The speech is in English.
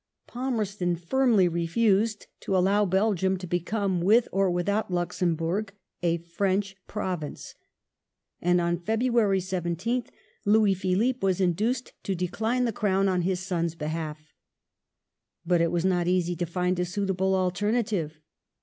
Palmerston firmly refused to allow Belgium to become, with or without Luxemburg, a French province, and on February 17th Louis Philippe was induced to decline the Crown on his son's behalf. But it was not easy to find a suitable alternative.